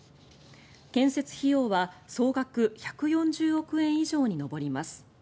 建設費用は総額１４０億円以上に上ります。